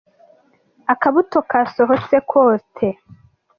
Akabuto kasohotse kote.